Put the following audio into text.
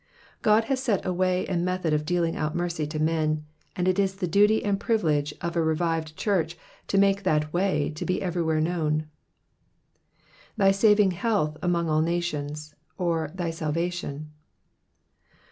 God has a set a way and method of dealing out mercy to men, and it is the duty and privilege of a revived church to make that way to be everywhere known. Thy naving health among all nationSy^^ or, thy salvation.